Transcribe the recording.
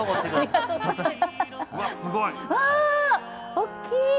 大きい！